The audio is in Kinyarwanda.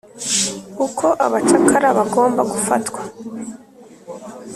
Uko abacakara bagomba gufatwa